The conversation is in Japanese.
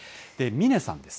峰さんです。